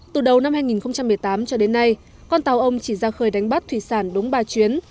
từ đầu năm hai nghìn một mươi tám cho đến nay con tàu ông chỉ ra khơi đánh bắt thủy sản đúng ba chuyến